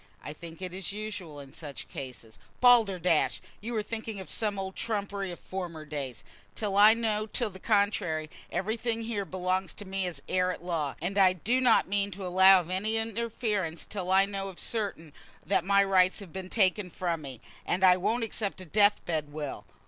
I think it is usual in such cases." "Balderdash! You are thinking of some old trumpery of former days. Till I know to the contrary, everything here belongs to me as heir at law, and I do not mean to allow of any interference till I know for certain that my rights have been taken from me. And I won't accept a death bed will.